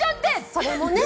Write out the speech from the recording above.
それもね。